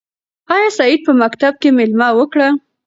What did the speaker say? آیا سعید په مکتب کې مېله وکړه؟